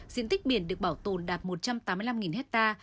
diện tích biển được bảo tồn đạt một trăm tám mươi năm ha